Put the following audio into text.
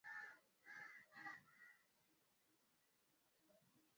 kama vile Homa ya Mapafu inayosambaa haraka kwa mifugo kucheua hutokea kila mara